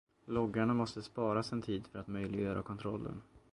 Loggarna måste sparas en tid för att möjliggöra kontrollen.